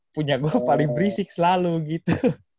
punya gue paling berisik selalu gitu